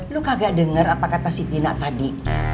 lo kagak denger apa kata si tina tadi